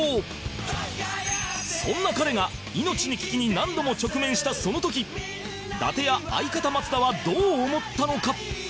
そんな彼が命の危機に何度も直面したその時伊達や相方松田はどう思ったのか？